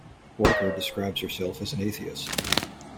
Walker describes herself as an atheist.